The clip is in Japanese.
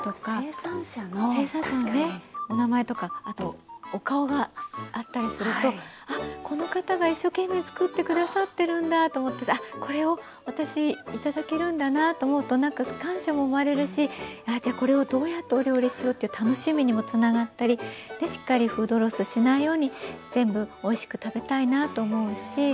生産者のねお名前とかあとお顔があったりするとあっこの方が一生懸命作って下さってるんだと思ってこれを私頂けるんだなと思うとなんか感謝も生まれるしじゃあこれをどうやってお料理しようっていう楽しみにもつながったりしっかりフードロスしないように全部おいしく食べたいなと思うし。